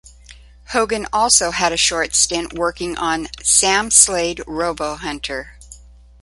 Hogan also had a short stint working on "Sam Slade, Robo-Hunter".